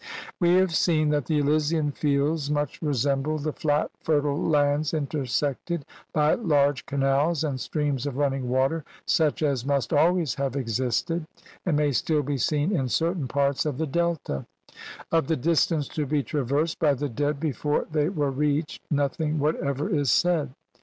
We have seen that the Elysian Fields much resembled the flat, fertile lands intersected by large canals and streams of running water such as must always have existed, and may still be seen in certain parts of the Delta; of the distance to be traversed by the dead be fore they were reached nothing whatever is said.